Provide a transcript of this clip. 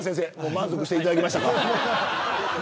満足していただけましたか。